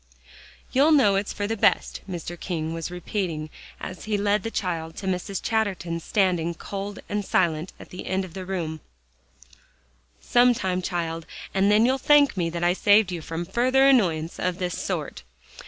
"You'll know it's for the best," Mr. King was repeating as he led the child to Mrs. Chatterton standing cold and silent at the end of the room, "sometime, child, and then you'll thank me that I saved you from further annoyance of this sort.